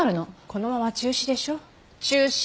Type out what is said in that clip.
このまま中止でしょ中止！